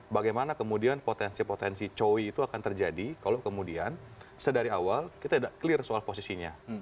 bagaimana kemudian potensi potensi cowi itu akan terjadi kalau kemudian sedari awal kita tidak clear soal posisinya